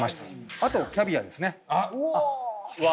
あとキャビアですねあっ！